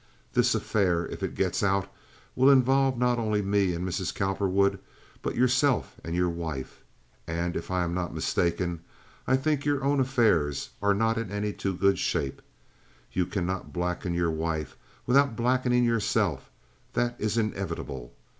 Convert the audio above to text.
This affair, if it gets out, will involve not only me and Mrs. Cowperwood, but yourself and your wife, and if I am not mistaken, I think your own affairs are not in any too good shape. You cannot blacken your wife without blackening yourself—that is inevitable.